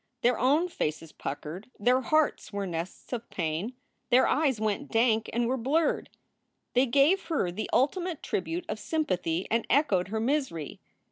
Their own faces puckered, their hearts were nests of pain, their eyes went dank and were blurred. They gave her the ultimate tribute of sympathy and echoed her misery.